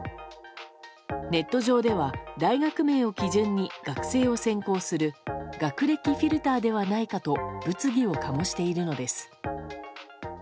ネット上では大学名を基準に学生を選考する学歴フィルターではないかと物議を醸しているのです。